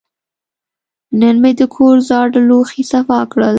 نن مې د کور زاړه لوښي صفا کړل.